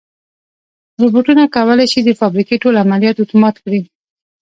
روبوټونه کولی شي د فابریکې ټول عملیات اتومات کړي.